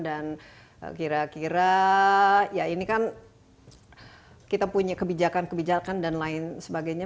dan kira kira ya ini kan kita punya kebijakan kebijakan dan lain sebagainya